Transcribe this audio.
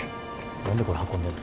何でこれ運んでんの？